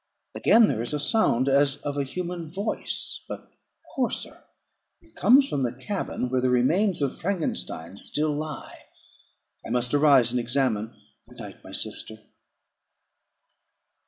Again; there is a sound as of a human voice, but hoarser; it comes from the cabin where the remains of Frankenstein still lie. I must arise, and examine. Good night, my sister.